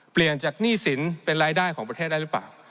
เปลี่ยนจากหนี้สินเป็นรายได้ของประเทศได้หรือเปล่า